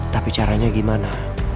tapi caranya gimana